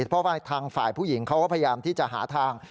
เพราะว่าทางฝ่ายผู้หญิงเขาก็พยายามที่จะหาทาง